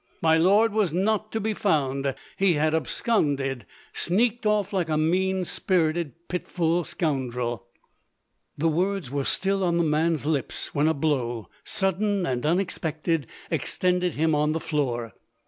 My lord w;is not to be found — he had absconded — sneaked off like a mean spirited, pitiful scoundrel V The words were still on the man's lips when a blow, sudden and unexpected, extended him on the floor.